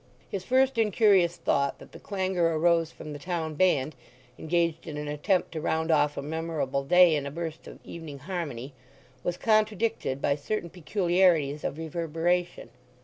His first incurious thought that the clangour arose from the town band, engaged in an attempt to round off a memorable day in a burst of evening harmony, was contradicted by certain peculiarities of reverberation.